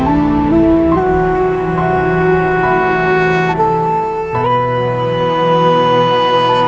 dan bertemu dengannya ya allah